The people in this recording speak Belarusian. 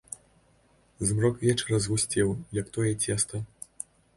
Змрок вечара згусцеў, як тое цеста.